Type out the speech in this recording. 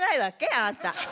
あなた。